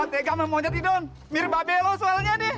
wah tega mah monyet ini don mirba belo soalnya nih